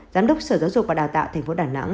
giám đốc sở dục và đào tạo tp đn